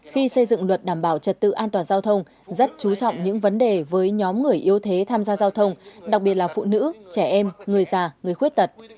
khi xây dựng luật đảm bảo trật tự an toàn giao thông rất chú trọng những vấn đề với nhóm người yếu thế tham gia giao thông đặc biệt là phụ nữ trẻ em người già người khuyết tật